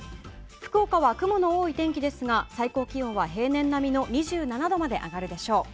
福岡は雲の多い天気ですが最高気温は平年並みの２７度まで上がるでしょう。